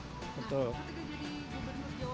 jadi gubernur jawa barat ada nggak sih perbedaan